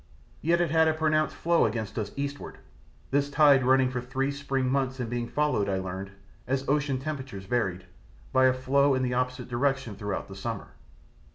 Yet it had a pronounced flow against us eastward, this tide running for three spring months and being followed, I learned, as ocean temperatures varied, by a flow in the opposite direction throughout the summer.